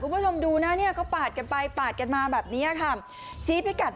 คุณผู้ชมดูนะเนี่ยเขาปาดกันไปปาดกันมาแบบเนี้ยค่ะชี้พิกัด